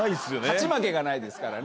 勝ち負けがないですからね。